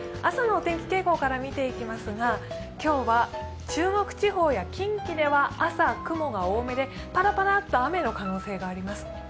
朝のお天気傾向から見ていきますが今日は中国地方や近畿では雨が多めでパラパラと雨の可能性があります。